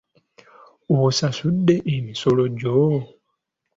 Osasudde emisolo gyo?